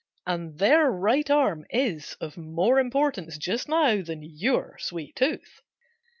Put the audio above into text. And their right arm is of more importance just now than your sweet tooth.